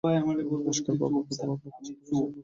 নমষ্কার বাবা, প্রথমে, আপনার কাছে ক্ষমা চাইবো।